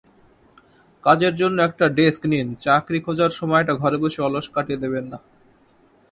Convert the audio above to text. কাজের জন্য একটা ডেস্ক নিনচাকরি খোঁজার সময়টা ঘরে বসে অলস কাটিয়ে দেবেন না।